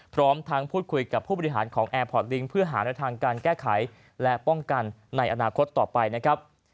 พร้อมทั้งพูดคุยกับผู้บริหารของแอร์พอร์ตลิงค์เพื่อหาในทางการแก้ไขและป้องกันในอนาคตต่อไปนะครับ